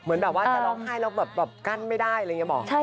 เหมือนแบบว่าจะร้องไห้แล้วแบบกั้นไม่ได้อะไรอย่างนี้หมอ